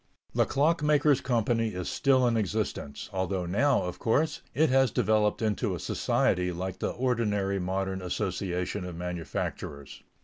The Clock makers' Company is still in existence; although now, of course, it has developed into a society like the ordinary modern association of manufacturers.